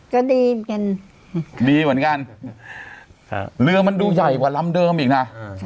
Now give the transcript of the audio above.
ก็ดีเหมือนกันเรือมันดูใหญ่กว่าลำเดิมอีกนะ